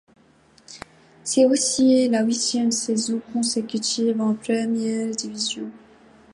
C'est aussi la huitième saison consécutive en première division.